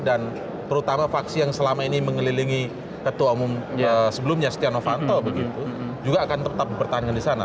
dan terutama faksi yang selama ini mengelilingi ketua umum sebelumnya setia novanto begitu juga akan tetap bertahan di sana